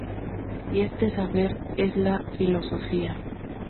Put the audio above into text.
Y este saber es la filosofía.